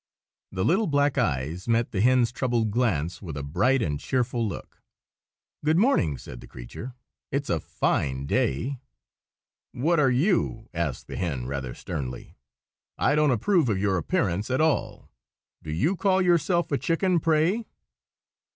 The little black eyes met the hen's troubled glance with a bright and cheerful look. "Good morning!" said the creature. "It's a fine day!" "What are you?" asked the hen, rather sternly. "I don't approve of your appearance at all. Do you call yourself a chicken, pray?"